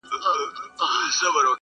په خِصلت درویش دی یاره نور سلطان دی.